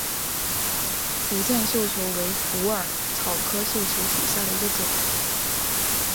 福建绣球为虎耳草科绣球属下的一个种。